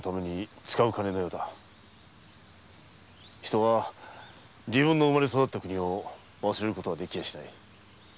人は自分の生まれ育った国を忘れることなどできやしない。